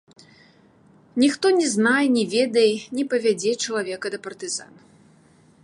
Ніхто ні знай ні ведай не павядзе чалавека да партызан.